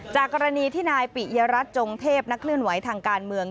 กรณีที่นายปิยรัฐจงเทพนักเคลื่อนไหวทางการเมือง